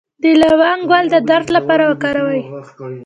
د لونګ ګل د درد لپاره وکاروئ